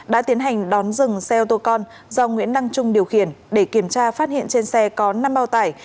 đã tiến hành đón dừng xe ô tô con do nguyễn đăng trung điều khiển để kiểm tra phát hiện trên xe có năm bao tải